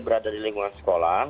berada di lingkungan sekolah